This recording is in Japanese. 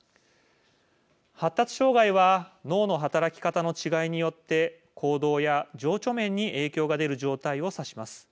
発達障害は脳の働き方の違いによって行動や情緒面に影響が出る状態を指します。